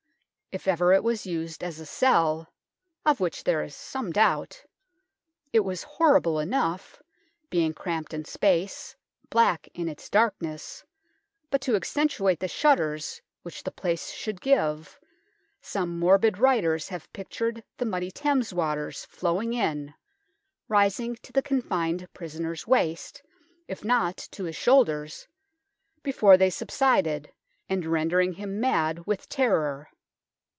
If ever it was used as a cell (of which there is some doubt) it was horrible enough, being cramped in space, black in its darkness, but to accentuate the shudders which the place should give, some morbid writers have pictured the muddy Thames waters flowing in, rising to the confined prisoner's waist, if not to his shoulders, before they subsided, and rendering him mad with terror.